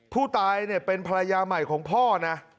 ผู้ตายเนี่ยเป็นภรรยาใหม่ของพ่อนะ